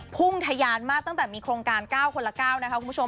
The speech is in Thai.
พุ่งทะยานมากตั้งแต่มีโครงการ๙คนละ๙นะคะคุณผู้ชม